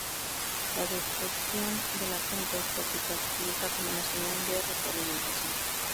La deflexión de la punta estática se utiliza como una señal de retroalimentación.